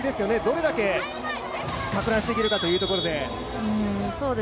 どれだけかく乱していけるかというところで。